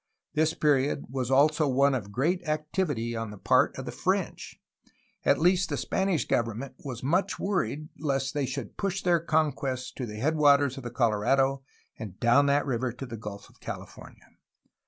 This period was also one of great activity upon the part of the French; at least the Spanish government was much worried lest they should push their conquests to the headwaters of the Colorado and down that river to the Gulf of California.